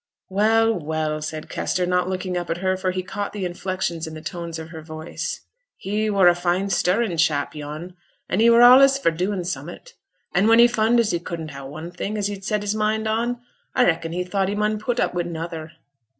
'Well, well!' said Kester, not looking up at her, for he caught the inflections in the tones of her voice. 'He were a fine stirrin' chap, yon; an' he were allays for doin' summut; an' when he fund as he couldn't ha' one thing as he'd set his mind on, a reckon he thought he mun put up wi' another.'